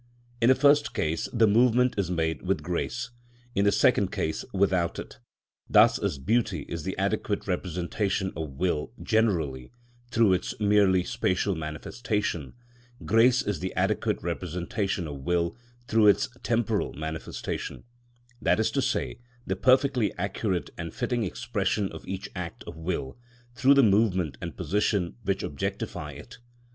In the first case the movement is made with grace, in the second case without it. Thus as beauty is the adequate representation of will generally, through its merely spatial manifestation; grace is the adequate representation of will through its temporal manifestation, that is to say, the perfectly accurate and fitting expression of each act of will, through the movement and position which objectify it.